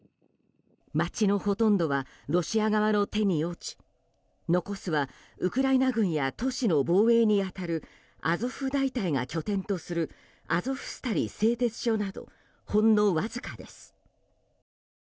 街のほとんどはロシア側の手に落ち残すは、ウクライナ軍や都市の防衛に当たるアゾフ大隊が拠点とするアゾフスタリ製鉄所などほんのわずかです。